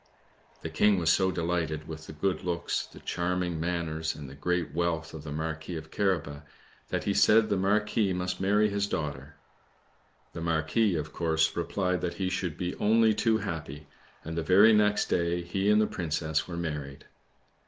The King was so delighted with the good looks, the charming manners, and the great wealth of the Marquis of Carabas, that he said the Marquis must marry his daughter. The Marquis, of course, replied that he should be only too happy; and the very next day he and the Princess were married.